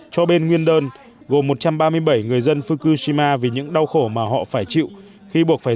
cho bên nguyên đơn gồm một trăm ba mươi bảy người dân fukushima vì những đau khổ mà họ phải chịu khi buộc phải